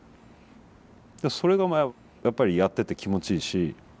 それがやっぱりやってて気持ちいいし。